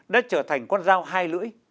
đã trở thành con dao hai lưỡi